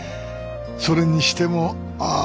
それにしてもああ